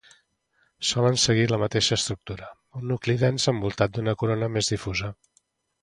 Solen seguir la mateixa estructura: un nucli dens envoltat d'una corona més difusa.